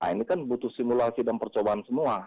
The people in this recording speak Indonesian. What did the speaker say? ini kan butuh simulasi dan percobaan semua